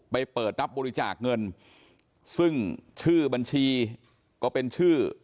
เปิดรับบริจาคเงินซึ่งชื่อบัญชีก็เป็นชื่อ